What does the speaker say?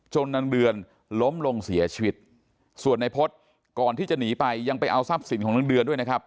นางเดือนล้มลงเสียชีวิตส่วนในพฤษก่อนที่จะหนีไปยังไปเอาทรัพย์สินของนางเดือนด้วยนะครับ